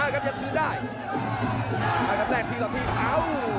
ยอดเดชน์คืนได้แรกทีต่อทีเผา